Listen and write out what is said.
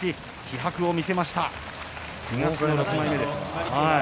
気迫を見せました。